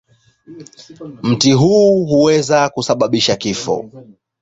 Mti huu huweza pia kusababisha kifo.